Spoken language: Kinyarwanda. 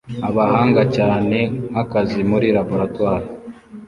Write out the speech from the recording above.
Abahanga cyane nkakazi muri laboratoire